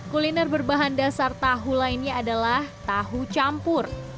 kuliner berbahan dasar tahu lainnya adalah tahu campur